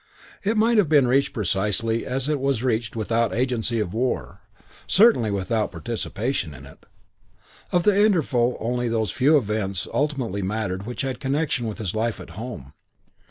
It might have been reached precisely as it was reached without agency of the war, certainly without participation in it. Of the interval only those few events ultimately mattered which had connection with his life at home.